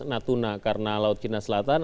natuna karena laut cina selatan